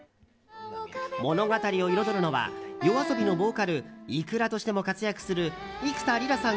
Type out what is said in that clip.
物語を彩るのはＹＯＡＳＯＢＩのボーカルｉｋｕｒａとしても活躍する幾田りらさん